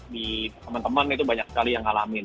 di temen temen itu banyak sekali yang ngalamin